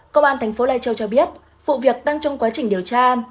công an thành phố lai châu cho biết vụ việc đang trong quá trình điều tra